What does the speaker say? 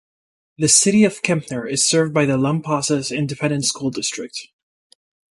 The City of Kempner is served by the Lampasas Independent School District.